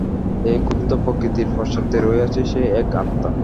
এই ক্ষুদ্র প্রকৃতির পশ্চাতে রহিয়াছে সেই এক আত্মা।